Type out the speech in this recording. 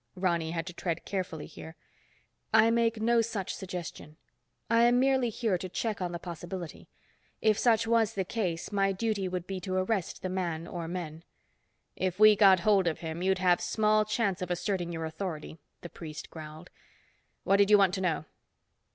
Ronny had to tread carefully here. "I make no such suggestion. I am merely here to check on the possibility. If such was the case, my duty would be to arrest the man, or men." "If we got hold of him, you'd have small chance of asserting your authority," the priest growled. "What did you want to know?"